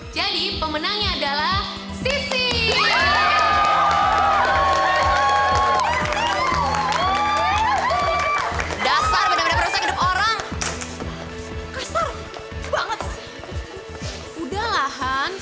terima kenyataan lo tuh kalah